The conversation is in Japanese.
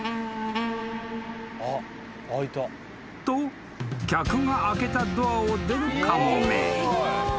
［と客が開けたドアを出るカモメ］